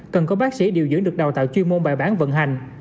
cần có bác sĩ điều dưỡng được đào tạo chuyên môn bài bản vận hành